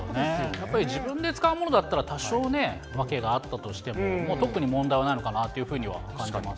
やっぱり自分で使うものだったら、多少ね、訳があったとしても、特に問題はないのかなというふうには感じます。